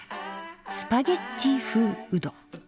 「スパゲッティ風うどん」。